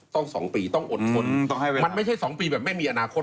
๒ปีต้องอดทนมันไม่ใช่๒ปีแบบไม่มีอนาคต